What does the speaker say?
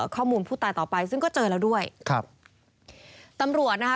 ผู้ตายต่อไปซึ่งก็เจอแล้วด้วยครับตำรวจนะคะ